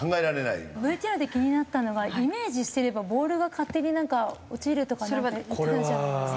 ＶＴＲで気になったのがイメージしてればボールが勝手になんか落ちるとかなんて言ってたじゃないですか。